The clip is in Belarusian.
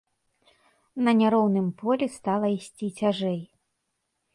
На няроўным полі стала ісці цяжэй.